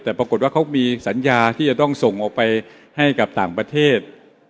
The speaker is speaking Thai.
แต่ปรากฏว่าเขามีสัญญาที่จะต้องส่งออกไปให้กับต่างประเทศ